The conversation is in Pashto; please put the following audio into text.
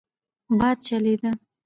باد چلېده.